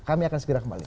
kami akan segera kembali